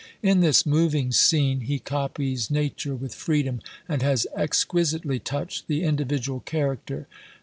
In this moving scene he copies nature with freedom, and has exquisitely touched the individual character.